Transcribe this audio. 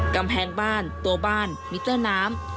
กำแพงบ้านตัวบ้านมิเตอร์น้ำ